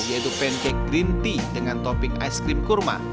yaitu pancake green tea dengan topping ice cream kurma